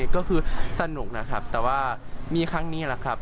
ก็คือสนุกนะครับแต่ว่ามีครั้งนี้แหละครับ